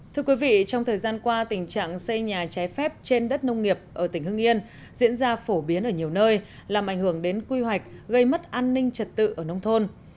thưa quý vị trong thời gian qua tình trạng xây nhà trái phép trên đất nông nghiệp ở tỉnh hưng yên diễn ra phổ biến ở nhiều nơi làm ảnh hưởng đến quy hoạch gây mất an ninh trật tự ở nông thôn